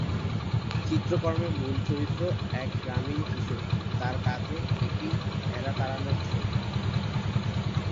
চিত্রকর্মের মূল চরিত্র এক গ্রামীণ কিশোরী; তার কাঁধে একটি ভেড়া-তাড়ানো ছড়ি।